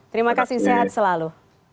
terima kasih sehat selalu